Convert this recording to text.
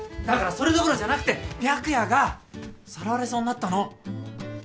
だからそれどころじゃなくて白夜がさらわれそうになったの。